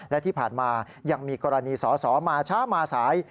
และที่ผ่านมายังมีกรณีสอสอมาช้ามาสาย